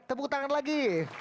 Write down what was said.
tepuk tangan lagi